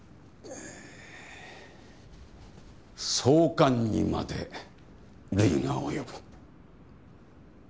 総監にまで累が及ぶ。